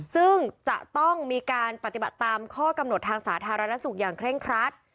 ซึ่งจะต้องมีการปฏิบัติตามข้อกำหนดทางสาธารณสุขอย่างเคร่งครัด